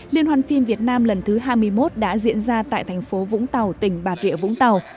liên hoàn phim việt nam lần thứ hai mươi một đã diễn ra tại thành phố vũng tàu tỉnh bà rịa vũng tàu